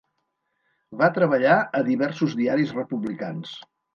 Va treballar a diversos diaris republicans.